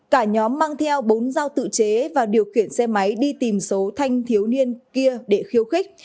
cả nhóm mang theo bốn dao tự chế và điều khiển xe máy đi tìm số thanh thiếu niên kia để khiêu khích